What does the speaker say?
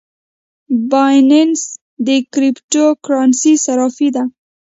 بایننس د کریپټو کرنسۍ صرافي ده